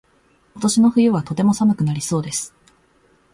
今年の冬はとても寒くなりそうです。